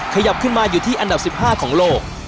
ขยับขึ้นมาอยู่ที่อันดับ๑๕ของโลก